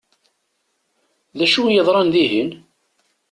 D acu i yeḍṛan dihin?